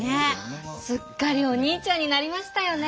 すっかりおにいちゃんになりましたよね。